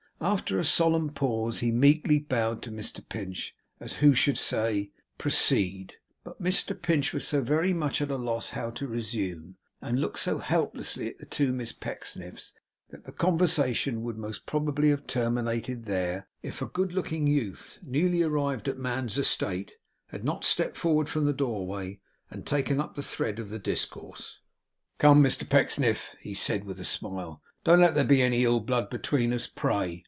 After a solemn pause he meekly bowed to Mr Pinch, as who should say, 'Proceed;' but Mr Pinch was so very much at a loss how to resume, and looked so helplessly at the two Miss Pecksniffs, that the conversation would most probably have terminated there, if a good looking youth, newly arrived at man's estate, had not stepped forward from the doorway and taken up the thread of the discourse. 'Come, Mr Pecksniff,' he said, with a smile, 'don't let there be any ill blood between us, pray.